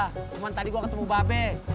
cuman tadi gua ketemu babe